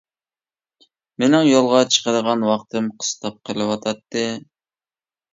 مېنىڭ يولغا چىقىدىغان ۋاقتىم قىستاپ قېلىۋاتاتتى.